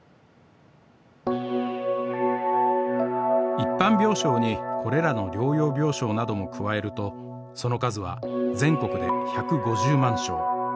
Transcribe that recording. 一般病床にこれらの療養病床なども加えるとその数は全国で１５０万床。